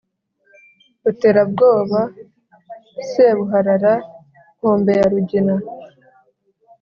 ruterabwoba, sebuharara nkombe ya rugina